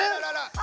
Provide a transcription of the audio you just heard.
あ！